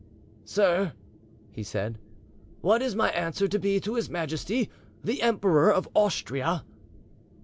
"Sir," he said, "what is my answer to be to His Majesty the Emperor of Austria?"